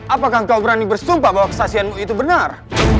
apakah kau berani bersumpah bahwa kesaksianmu itu benar